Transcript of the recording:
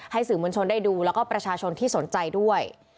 สื่อมวลชนได้ดูแล้วก็ประชาชนที่สนใจด้วย